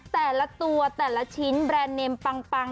แต่ละตัวแต่ละชิ้นแบรนด์เนมปัง